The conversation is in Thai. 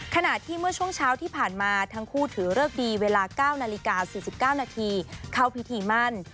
ขณะที่เมื่อช่วงเช้าที่ผ่านมาทั้งคู่ถือเลิกดีเวลา๙นาฬิกา๔๙นาทีเข้าพิธีมั่น